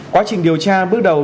quá trình điều tra bước đầu